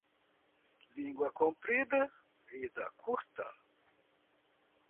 Língua comprida - vida curta.